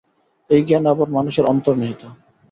এই জ্ঞান আবার মানুষের অন্তর্নিহিত।